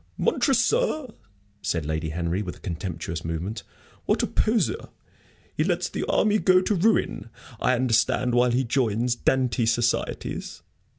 "Montresor!" said Lady Henry, with a contemptuous movement. "What a poseur! He lets the army go to ruin, I understand, while he joins Dante societies."